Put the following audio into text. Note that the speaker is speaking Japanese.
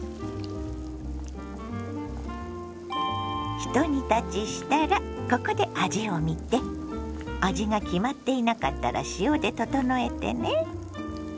ひと煮立ちしたらここで味をみて味が決まっていなかったら塩で調えてね。